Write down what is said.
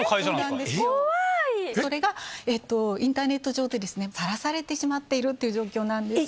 それが、インターネット上でさらされてしまっているという状況なんです。